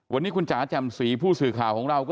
วันนี้คุณจ๋าแจ่มสีผู้สื่อข่าวของเราก็